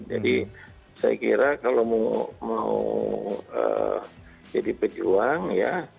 jadi saya kira kalau mau jadi pejuang ya